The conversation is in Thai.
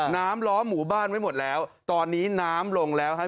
ล้อหมู่บ้านไว้หมดแล้วตอนนี้น้ำลงแล้วฮะ